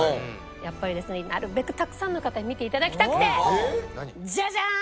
やっぱりですねなるべくたくさんの方に見て頂きたくてジャジャン！